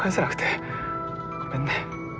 ごめんね。